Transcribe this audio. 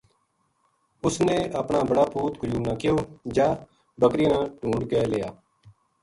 اس نے اپنا بڑا پُوت قیوم نا کہیو جاہ بکریاں نے ڈھُونڈ کے لے آ